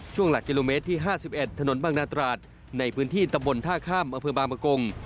หลักกิโลเมตรที่๕๑ถนนบางนาตราดในพื้นที่ตำบลท่าข้ามอำเภอบางประกง